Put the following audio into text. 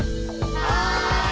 はい！